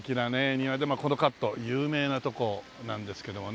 庭でもこのカット有名なとこなんですけどもね。